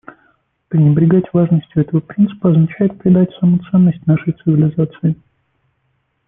Пренебрегать важностью этого принципа означает предать саму ценность нашей цивилизации.